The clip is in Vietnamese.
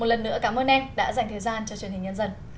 một lần nữa cảm ơn anh đã dành thời gian cho truyền hình nhân dân